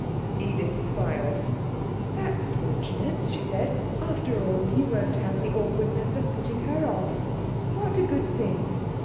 Edith smiled. 'That's fortunate,' she said. 'After all, you won't have the awkwardness of putting her off. What a good thing.'